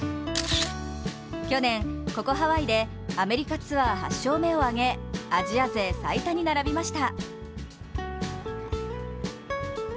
去年、ここハワイでアメリカツアー８勝目を挙げアジア勢、最多に並びました。